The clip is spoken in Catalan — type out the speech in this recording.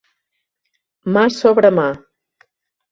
Mà sobre mà.